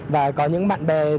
và có những bạn bè